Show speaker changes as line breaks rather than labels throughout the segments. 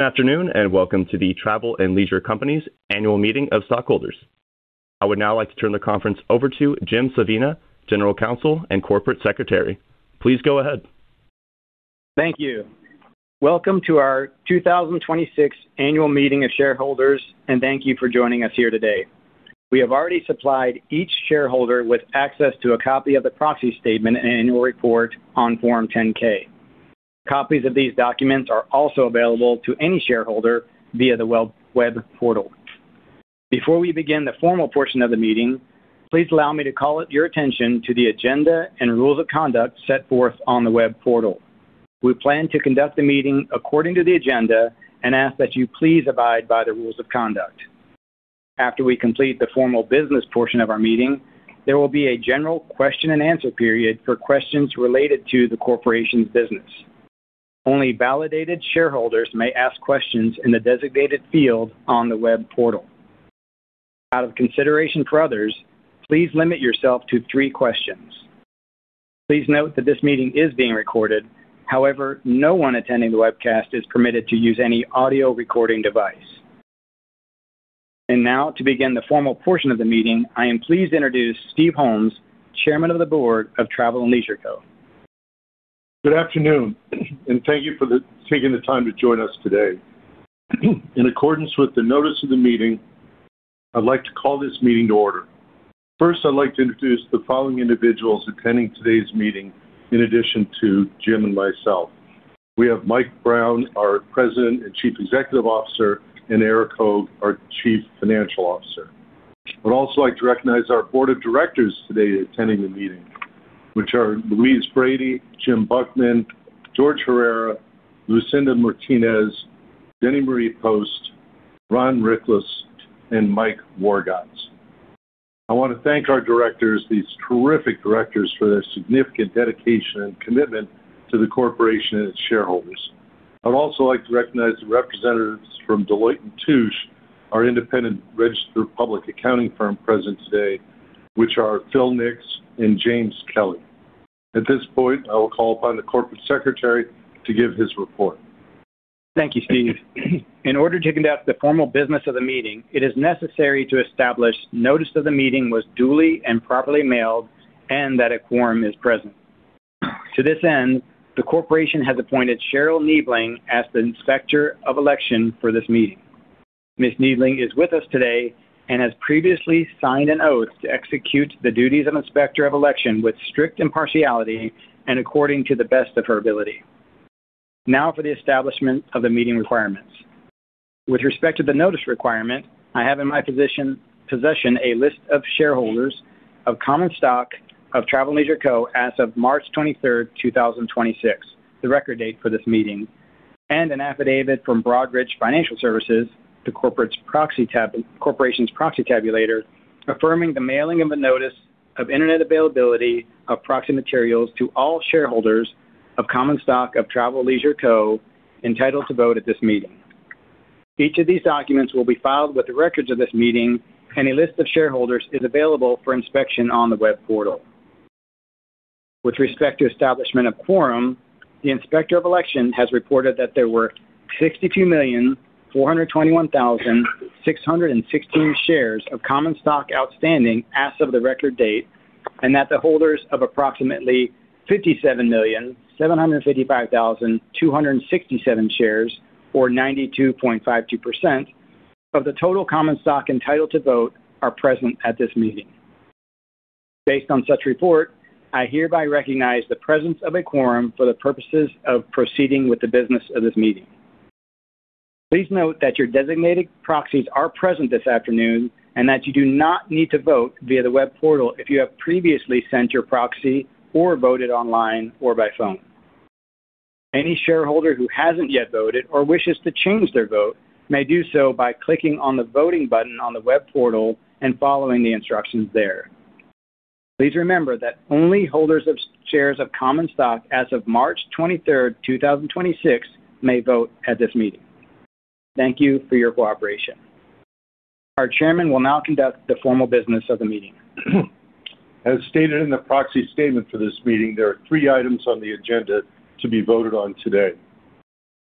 Afternoon, welcome to the Travel + Leisure Co. Annual Meeting of Stockholders. I would now like to turn the conference over to James Savina, General Counsel and Corporate Secretary. Please go ahead.
Thank you. Welcome to our 2026 Annual Meeting of Shareholders, and thank you for joining us here today. We have already supplied each shareholder with access to a copy of the proxy statement and annual report on Form 10-K. Copies of these documents are also available to any shareholder via the web portal. Before we begin the formal portion of the meeting, please allow me to call your attention to the agenda and rules of conduct set forth on the web portal. We plan to conduct the meeting according to the agenda and ask that you please abide by the rules of conduct. After we complete the formal business portion of our meeting, there will be a general question and answer period for questions related to the corporation's business. Only validated shareholders may ask questions in the designated field on the web portal. Out of consideration for others, please limit yourself to three questions. Please note that this meeting is being recorded. However, no one attending the webcast is permitted to use any audio recording device. Now, to begin the formal portion of the meeting, I am pleased to introduce Steve Holmes, Chairman of the Board of Travel + Leisure Co.
Good afternoon, and thank you for taking the time to join us today. In accordance with the notice of the meeting, I'd like to call this meeting to order. First, I'd like to introduce the following individuals attending today's meeting in addition to Jim and myself. We have Mike Brown, our President and Chief Executive Officer, and Erik Hoag, our Chief Financial Officer. I'd also like to recognize our Board of Directors today attending the meeting, which are Louise Brady, Jim Buckman, George Herrera, Lucinda Martinez, Denny Marie Post, Ron Rickles, and Mike Wargo. I want to thank our directors, these terrific directors, for their significant dedication and commitment to the corporation and its shareholders. I'd also like to recognize the representatives from Deloitte & Touche, our independent registered public accounting firm present today, which are Phil Nix and James Kelly. At this point, I will call upon the Corporate Secretary to give his report.
Thank you, Steve. In order to conduct the formal business of the meeting, it is necessary to establish notice that the meeting was duly and properly mailed and that a quorum is present. To this end, the corporation has appointed Cheryl Neadling as the Inspector of Election for this meeting. Ms. Neadling is with us today and has previously signed an oath to execute the duties of Inspector of Election with strict impartiality and according to the best of her ability. Now for the establishment of the meeting requirements. With respect to the notice requirement, I have in my possession a list of shareholders of common stock of Travel + Leisure Co. as of March 23, 2026, the record date for this meeting, and an affidavit from Broadridge Financial Solutions, the corporation's proxy tabulator, affirming the mailing of the notice of internet availability of proxy materials to all shareholders of common stock of Travel + Leisure Co. entitled to vote at this meeting. Each of these documents will be filed with the records of this meeting, and a list of shareholders is available for inspection on the web portal. With respect to establishment of quorum, the Inspector of Election has reported that there were 62,421,616 shares of common stock outstanding as of the record date, and that the holders of approximately 57,755,267 shares or 92.52% of the total common stock entitled to vote are present at this meeting. Based on such report, I hereby recognize the presence of a quorum for the purposes of proceeding with the business of this meeting. Please note that your designated proxies are present this afternoon, and that you do not need to vote via the web portal if you have previously sent your proxy or voted online or by phone. Any shareholder who hasn't yet voted or wishes to change their vote may do so by clicking on the Voting button on the web portal and following the instructions there. Please remember that only holders of shares of common stock as of March 23, 2026, may vote at this meeting. Thank you for your cooperation. Our chairman will now conduct the formal business of the meeting.
As stated in the proxy statement for this meeting, there are three items on the agenda to be voted on today.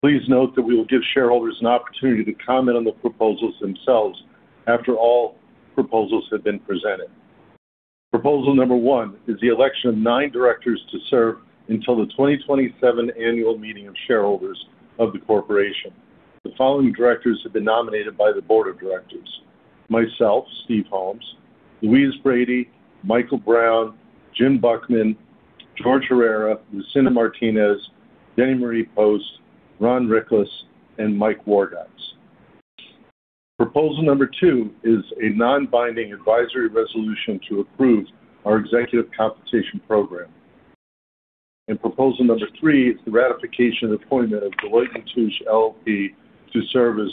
Please note that we will give shareholders an opportunity to comment on the proposals themselves after all proposals have been presented. Proposal number one is the election of nine directors to serve until the 2027 Annual Meeting of Shareholders of the corporation. The following directors have been nominated by the board of directors: myself, Steve Holmes, Louise Brady, Michael Brown, Jim Buckman, George Herrera, Lucinda Martinez, Denny Marie Post, Ron Rickles, and Mike Wargo. Proposal number two is a non-binding advisory resolution to approve our executive compensation program. Proposal number three is the ratification and appointment of Deloitte & Touche LLP to serve as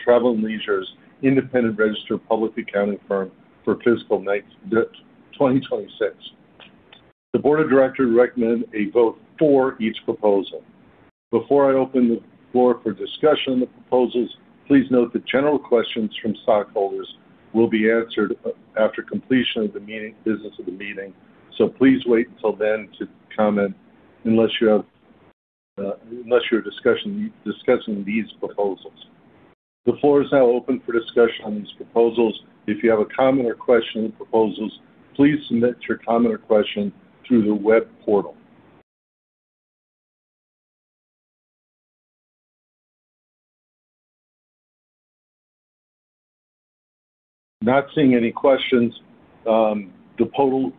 Travel + Leisure's independent registered public accounting firm for fiscal 2026. The board of directors recommend a vote for each proposal. Before I open the floor for discussion on the proposals, please note that general questions from stockholders will be answered after completion of the business of the meeting. Please wait until then to comment, unless you're discussing these proposals. The floor is now open for discussion on these proposals. If you have a comment or question on the proposals, please submit your comment or question through the web portal. Not seeing any questions. The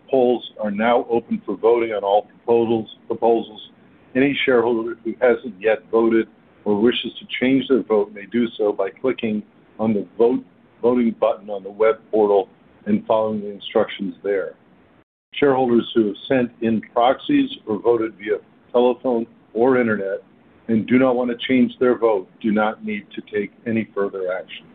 polls are now open for voting on all proposals. Any shareholder who hasn't yet voted or wishes to change their vote may do so by clicking on the voting button on the web portal and following the instructions there. Shareholders who have sent in proxies or voted via telephone or internet and do not want to change their vote do not need to take any further action.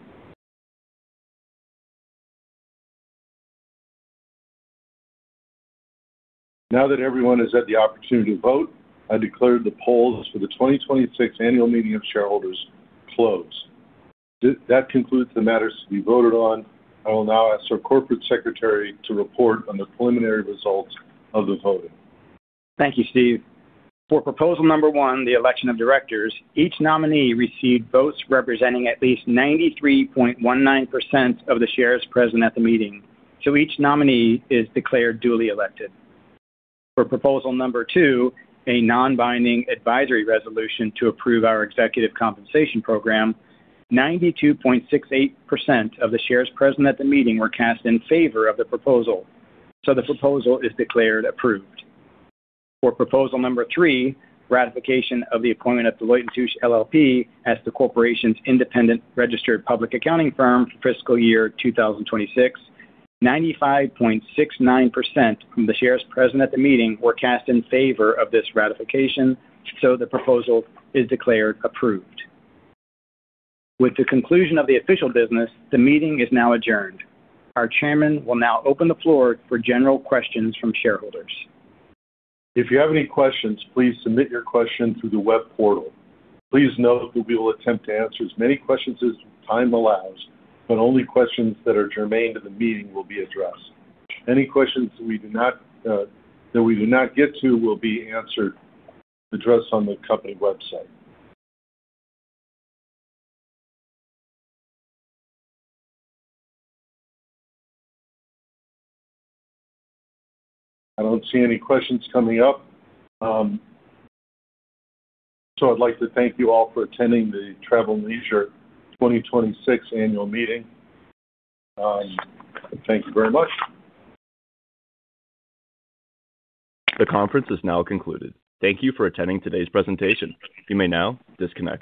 Now that everyone has had the opportunity to vote, I declare the polls for the 2026 annual meeting of shareholders closed. That concludes the matters to be voted on. I will now ask our corporate secretary to report on the preliminary results of the voting.
Thank you, Steve. For proposal number one, the election of directors, each nominee received votes representing at least 93.19% of the shares present at the meeting. Each nominee is declared duly elected. For proposal number two, a non-binding advisory resolution to approve our executive compensation program, 92.68% of the shares present at the meeting were cast in favor of the proposal. The proposal is declared approved. For proposal number three, ratification of the appointment of Deloitte & Touche LLP as the corporation's independent registered public accounting firm for fiscal year 2026, 95.69% of the shares present at the meeting were cast in favor of this ratification. The proposal is declared approved. With the conclusion of the official business, the meeting is now adjourned. Our Chairman will now open the floor for general questions from shareholders.
If you have any questions, please submit your question through the web portal. Please note we will attempt to answer as many questions as time allows, but only questions that are germane to the meeting will be addressed. Any questions that we do not get to will be addressed on the company website. I don't see any questions coming up. I'd like to thank you all for attending the Travel + Leisure 2026 annual meeting. Thank you very much.
The conference is now concluded. Thank you for attending today's presentation. You may now disconnect.